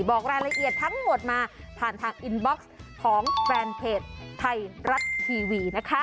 บอกรายละเอียดทั้งหมดมาผ่านทางอินบ็อกซ์ของแฟนเพจไทยรัฐทีวีนะคะ